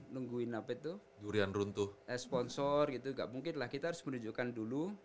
nungguin apa itu durian runtuh sponsor gitu gak mungkin lah kita harus menunjukkan dulu